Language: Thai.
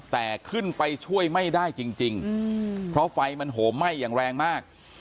แต่ขึ้นไปช่วยไม่ได้จริงเพราะไฟมันโหไหม้อย่างแรงมาก